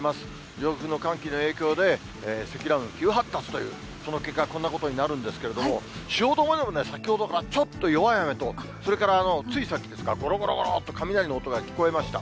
上空の寒気の影響で、積乱雲急発達という、その結果、こんなことになるんですけれども、汐留でも先ほどからちょっと弱い雨と、それからついさっきですか、ごろごろごろと雷の音が聞こえました。